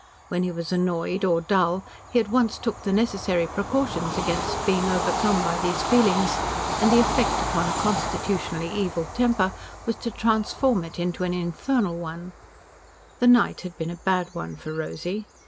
When he was annoyed or dull he at once took the necessary precautions against being overcome by these feelings, and the effect upon a constitutionally evil temper was to transform it into an infernal one. The night had been a bad one for Rosy.